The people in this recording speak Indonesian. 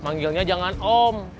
manggilnya jangan om